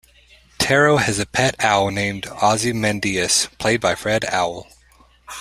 Tarot has a pet Owl named Ozymandias, played by Fred Owl.